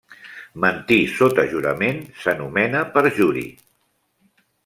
Mentir sota jurament s'anomena perjuri.